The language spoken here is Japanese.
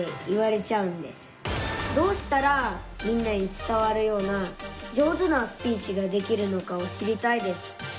どうしたらみんなに伝わるような上手なスピーチができるのかを知りたいです。